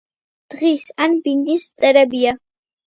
დღის ან ბინდის მწერებია.